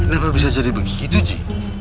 kenapa bisa jadi begitu ji